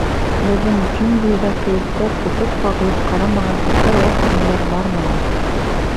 — Беҙҙең джунглиҙа кейектәр тотоп-ҡағылып ҡарамаған үтә ваҡ нәмәләр бармы ни?